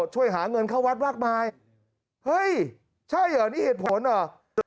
ช่วยหาเงินเข้าวัดมากมายเฮ้ยใช่เหรอนี่เหตุผลเหรอ